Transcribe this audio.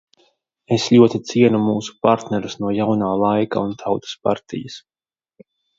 "Es ļoti cienu mūsu partnerus no "Jaunā laika" un Tautas partijas."